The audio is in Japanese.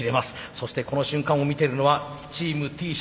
そしてこの瞬間を見てるのはチームＴ社。